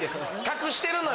隠してるの？